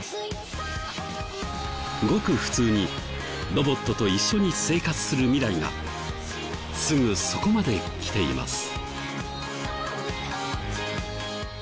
ごく普通にロボットと一緒に生活する未来がすぐそこまで来ています。